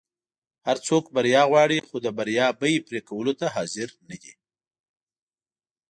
هر څوک بریا غواړي خو د بریا بیی پری کولو ته حاضر نه دي.